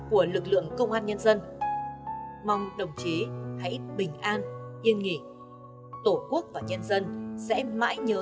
của lực lượng công an nhân dân mong đồng chí hãy bình an yên nghỉ tổ quốc và nhân dân sẽ mãi nhớ